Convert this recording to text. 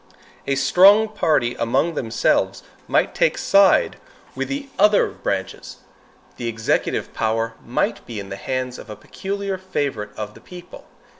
A strong party among themselves might take side with the other branches. The executive power might be in the hands of a peculiar favorite of the people.